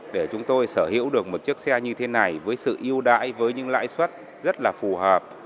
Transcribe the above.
để chúng tôi sở hữu được một chiếc xe như thế này với sự yêu đãi với những lãi suất rất là phù hợp